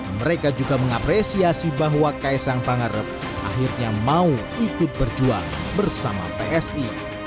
mereka juga mengapresiasi bahwa kaisang pangarep akhirnya mau ikut berjuang bersama psi